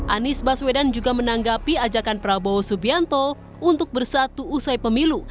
anies baswedan juga menanggapi ajakan prabowo subianto untuk bersatu usai pemilu